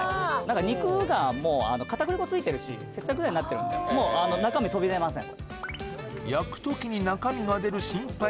肉がもう片栗粉ついてるし接着剤になってるんでもう中身飛び出ません